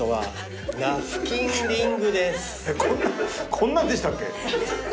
こんなんでしたっけ？